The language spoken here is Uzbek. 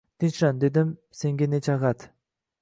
Tinchlan, dedim senga necha qat.